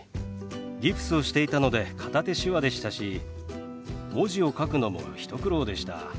ギプスをしていたので片手手話でしたし文字を書くのも一苦労でした。